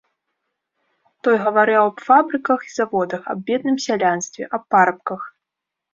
Той гаварыў аб фабрыках і заводах, аб бедным сялянстве, аб парабках.